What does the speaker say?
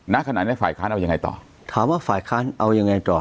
ณขณะนี้ฝ่ายค้านเอายังไงต่อ